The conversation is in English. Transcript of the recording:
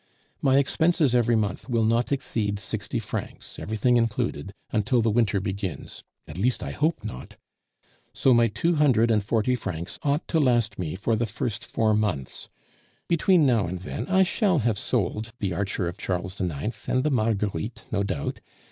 My expenses every month will not exceed sixty francs, everything included, until the winter begins at least I hope not. So my two hundred and forty francs ought to last me for the first four months. Between now and then I shall have sold The Archer of Charles IX. and the Marguerites no doubt.